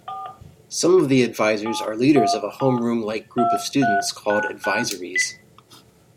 Some of the advisors are leaders of a homeroom-like group of students, called advisories.